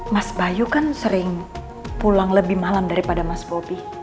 mas bayu kan sering pulang lebih malam daripada mas bobi